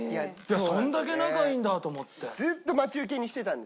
そんだけ仲いいんだと思って。